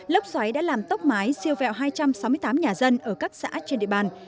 lốc xoáy đã làm tốc mái siêu vẹo hai trăm sáu mươi tám nhà dân ở các xã trên địa bàn